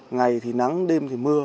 ngày thì nắng đêm thì mưa